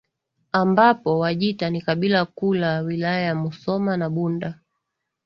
ambapo Wajita ni kabila kuu la Wilaya ya Musoma na Bunda